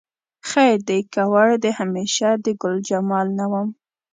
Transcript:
خیر دی که وړ دې همیشه د ګلجمال نه وم